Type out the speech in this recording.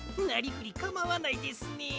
なりふりかまわないですね。